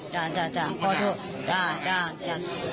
จ้ะจ้ะจ้ะขอโทษจ้ะจ้ะจ้ะ